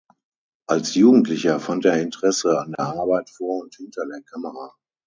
Als Jugendlicher fand er Interesse an der Arbeit vor und hinter der Kamera.